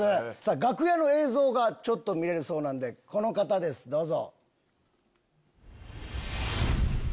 楽屋の映像が見れるそうなんでこの方ですどうぞ。